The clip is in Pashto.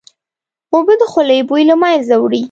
اوبه د خولې بوی له منځه وړي